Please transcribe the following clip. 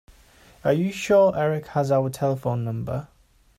Are you sure Erik has our telephone number?